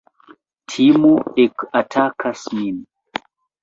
Timo ekatakas min.